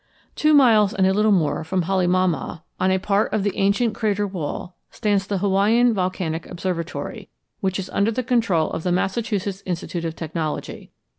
Two miles and a little more from Halemaumau, on a part of the ancient crater wall, stands the Hawaiian Volcano Observatory, which is under the control of the Massachusetts Institute of Technology.